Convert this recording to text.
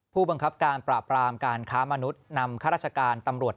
ผู้บังคับการปราบรามการค้ามนุษย์นำข้าราชการตำรวจ